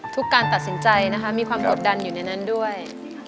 การตัดสินใจนะคะมีความกดดันอยู่ในนั้นด้วย